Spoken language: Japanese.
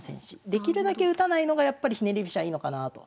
できるだけ打たないのがやっぱりひねり飛車いいのかなあと。